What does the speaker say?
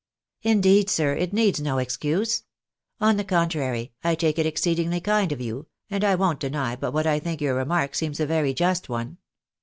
\" Indeed, sir, it needs no excuse ; on the contrary, I take it exceedingly kind of you, and I won't deny but what I think your remark seems a very just one.